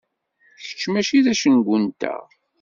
Kečč mačči d acengu-nteɣ.